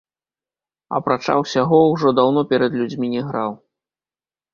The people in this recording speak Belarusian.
Апрача ўсяго, ужо даўно перад людзьмі не граў.